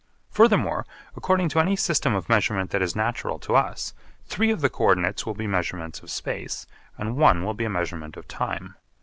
Furthermore, according to any system of measurement that is natural to us, three of the co ordinates will be measurements of space and one will be a measurement of time.